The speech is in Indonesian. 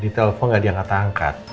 ditelepon gak diangkat angkat